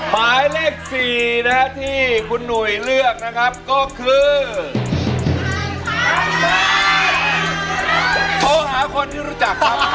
ถ้าแต่งงานนี่มันจะหายไหมเนาะ